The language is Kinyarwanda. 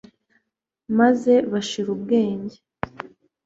maze bashira ubwenge